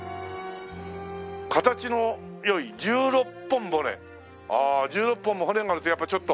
「形のよい１６本骨」ああ１６本も骨があるとやっぱちょっと。